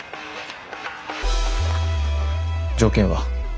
条件は？